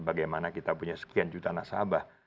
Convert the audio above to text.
bagaimana kita punya sekian juta nasabah